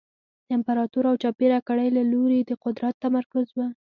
د امپراتور او چاپېره کړۍ له لوري د قدرت تمرکز و